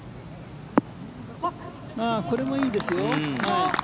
これもいいですよ。